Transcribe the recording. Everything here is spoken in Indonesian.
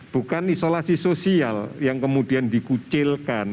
bukan isolasi sosial yang kemudian dikucilkan